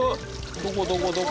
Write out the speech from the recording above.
どこどこどこ？